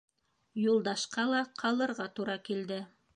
Юлдашҡа ла ҡалырға тура килде.